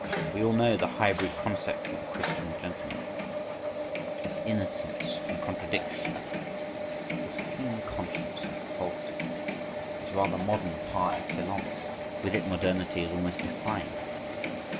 We all know the hybrid concept of the Christian gentleman. This innocence in contradiction, this "clean conscience" in falsehood, is rather modern par excellence, with it modernity is almost defined.